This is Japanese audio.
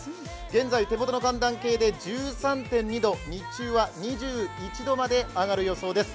現在手元の寒暖計で１３．２度で日中は２１度まで上がる予想です。